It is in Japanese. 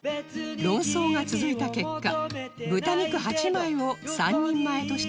論争が続いた結果豚肉８枚を３人前として作る事に